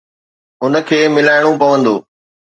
ان کي ملائڻو پوندو.